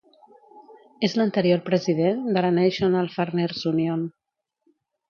És l'anterior president de la "National Farmers Union".